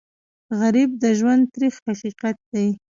غریب د ژوند تریخ حقیقت دی